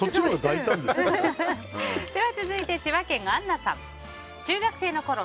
続いて千葉県の方。中学生のころ